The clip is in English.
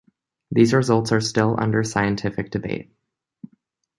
These results are still under scientific debate.